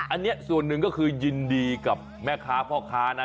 อันนี้ส่วนหนึ่งก็คือยินดีกับแม่ค้าพ่อค้านะ